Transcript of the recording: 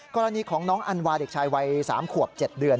กรณีของน้องอันวาเด็กชายวัย๓ขวบ๗เดือน